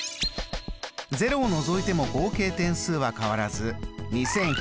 ０を除いても合計点数は変わらず２１６０。